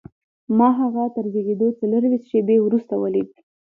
ما هغه تر زېږېدو څلرویشت شېبې وروسته ولید